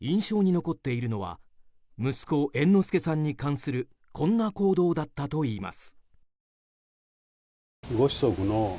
印象に残っているのは息子・猿之助さんに関するこんな行動だったといいます。